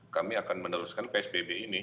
kami akan meneruskan psbb ini